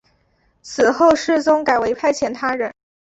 此后世宗改为派遣他人。